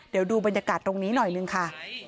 เดี๋ยวดูบรรยากาศตรงนี้หน่อยนึงค่ะ